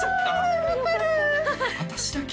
私だけ？